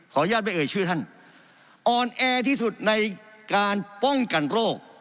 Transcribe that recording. อนุญาตไม่เอ่ยชื่อท่านอ่อนแอที่สุดในการป้องกันโรค